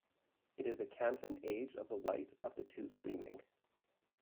It is a canton age of the Light of the two-streaming.